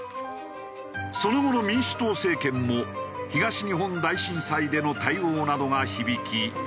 その後の民主党政権も東日本大震災での対応などが響き